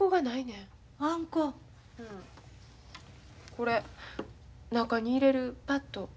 これ中に入れるパット。